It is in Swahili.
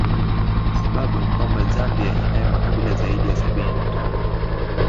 Sababu ni kwamba Zambia inayo makabila zaidi ya sabini na tano